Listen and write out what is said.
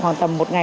khoảng tầm một ngày